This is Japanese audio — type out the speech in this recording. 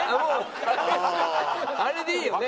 あれでいいよね。